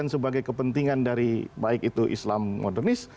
sebagai kepentingan dari baik itu islam modernis